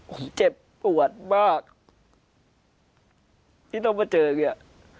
ผมเจ็บปวดมากที่ต้องมาเจออย่างเงี้ย